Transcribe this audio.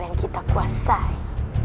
yang kita kuasai